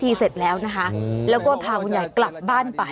พิธีเสร็จแล้วนะคะแล้วก็พาวุญใหญ่กลับบ้านไป